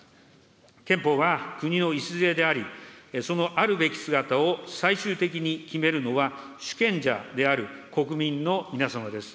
憲法は国の礎であり、そのあるべき姿を最終的に決めるのは主権者である国民の皆様です。